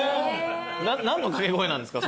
何の掛け声なんですか？